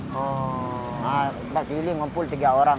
kalau keliling ngumpul tiga orang